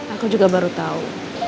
aku juga baru tau